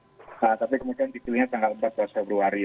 nah tapi kemudian dipilihnya tanggal empat belas februari